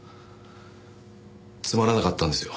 つまらなかったんですよ